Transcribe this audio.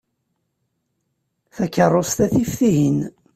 Takeṛṛust-a tif tihin.